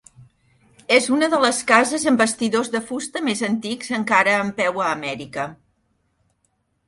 És una de les cases amb bastidors de fusta més antics encara en peu a Amèrica.